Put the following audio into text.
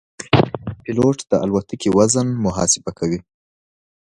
پیلوټ د الوتکې وزن محاسبه کوي.